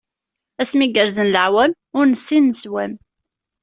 Asmi gerzen leɛwam, ur nessin leswam.